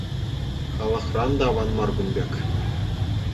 Халӑхран та аван мар кун пек.